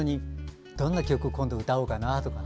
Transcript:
どんな曲を歌おうかなとか。